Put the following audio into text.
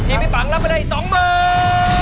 ทีมพี่ปังรับไปได้๒หมื่น